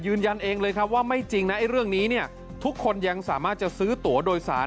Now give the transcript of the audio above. ยืนยันเองเลยครับว่าไม่จริงนะไอ้เรื่องนี้เนี่ยทุกคนยังสามารถจะซื้อตัวโดยสาร